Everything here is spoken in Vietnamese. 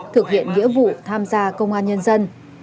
thực hiện nghĩa vụ tham gia công an nhân dân năm hai nghìn hai mươi ba